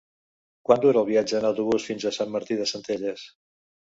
Quant dura el viatge en autobús fins a Sant Martí de Centelles?